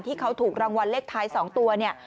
ที่เขาถูกรางวัลเลขท้าย๒ตัวเนี่ย